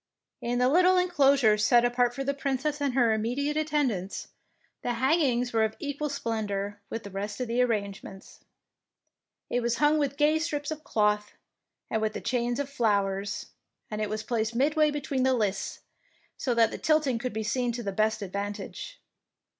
In the little enclosure set apart for the Princess and her immediate attend ants, the hangings were of equal splen dour with the rest of the arrangements. It was hung with gay strips of cloth, and with chains of flowers, and it was placed midway between the lists, so that the tilting could be seen to the best advantage.